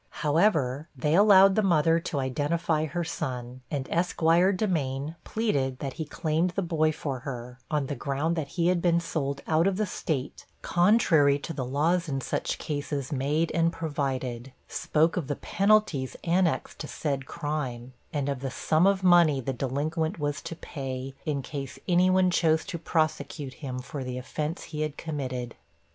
However, they allowed the mother to identify her son; and Esquire Demain pleaded that he claimed the boy for her, on the ground that he had been sold out of the State, contrary to the laws in such cases made and provided spoke of the penalties annexed to said crime, and of the sum of money the delinquent was to pay, in case any one chose to prosecute him for the offence he had committed.